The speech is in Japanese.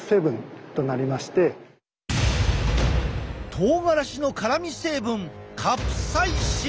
とうがらしの辛み成分カプサイシン！